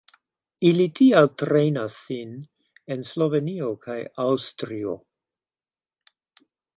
Ili tial trejnas sin en Slovenio kaj Aŭstrio.